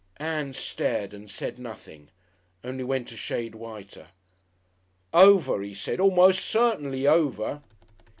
Ann stared and said nothing, only went a shade whiter. "Over, he said. A'most certainly over."